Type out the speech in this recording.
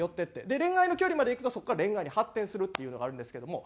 で恋愛の距離までいくとそこから恋愛に発展するっていうのがあるんですけども。